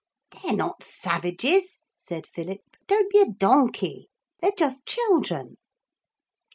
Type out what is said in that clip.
'They're not savages,' said Philip; 'don't be a donkey. They're just children.'